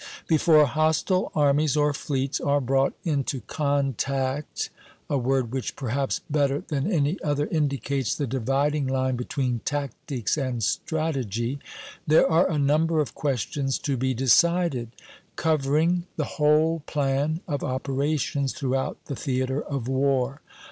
Before hostile armies or fleets are brought into con_tact_ (a word which perhaps better than any other indicates the dividing line between tactics and strategy), there are a number of questions to be decided, covering the whole plan of operations throughout the theatre of war.